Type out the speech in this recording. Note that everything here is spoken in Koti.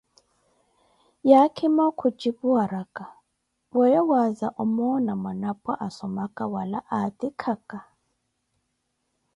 Haakhimo kujipu araka, weeyo waaza omoona mwanapwa asomka wala aatikhaka?